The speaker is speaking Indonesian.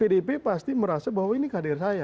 pdip pasti merasa bahwa ini kader saya